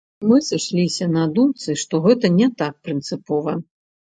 Мы сышліся на думцы, што гэта не так прынцыпова.